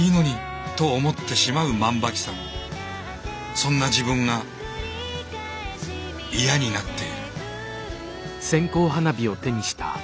そんな自分が嫌になっている。